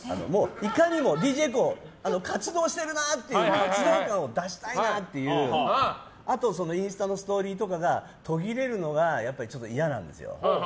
いかにもＤＪＫＯＯ活動してるなっていう活動感を出したいなと思っててあとはインスタのストーリーとかが途切れるのがやっぱり嫌なんですよ。